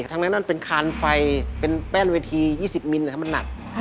ทางด้านนั้นเป็นคารไฟเป็นแป้นวิธี๒๐มิลลิเมตรมันหนัก